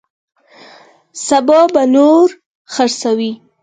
سبا به نور خرڅوي.